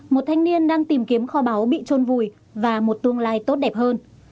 một thanh niên đang tìm kiếm kho báu bị trôn vùi và một tương lai tốt đẹp hơn